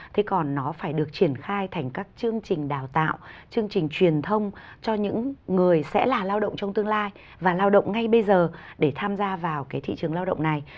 thế còn nó phải được triển khai thành các chương trình đào tạo chương trình truyền thông cho những người sẽ là lao động trong tương lai và lao động ngay bây giờ để tham gia vào cái thị trường lao động này